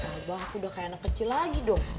abah aku udah kayak anak kecil lagi dong